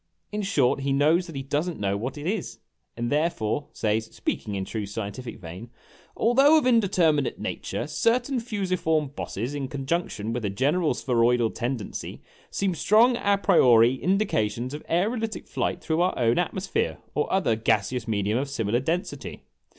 In short, he knows that he does n't know what it is, and therefore says (speaking in true scientific vein) "Although of indeterminate nature, certain fusiform bosses, in conjunction with a gen eral spheroidal tendency, seem strong a priori indications of aerolitic flight through our own atmosphere, or other gaseous medium of similar density